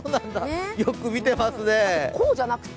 よく見ていますね。